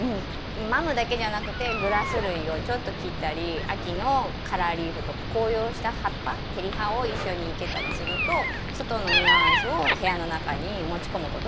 マムだけじゃなくてグラス類をちょっと切ったり秋のカラーリーフとか紅葉した葉っぱ照葉を一緒に生けたりすると外のニュアンスを部屋の中に持ち込むことができますよね。